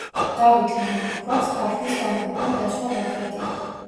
დავითმა, მართლაც, ქართლის გამგებლად დასვა ბაგრატი.